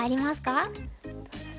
どうですか？